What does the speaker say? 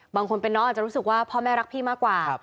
บางคนเป็นน้องอาจจะรู้สึกว่าพ่อแม่รักพี่มากกว่า